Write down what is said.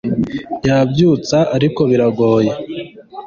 yabyutsa ariko biragoye